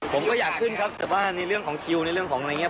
ผมก็อยากขึ้นครับแต่ว่าในเรื่องของคิวในเรื่องของอะไรอย่างนี้